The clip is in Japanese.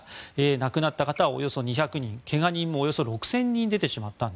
亡くなった方はおよそ２００人けが人もおよそ６０００人出てしまった。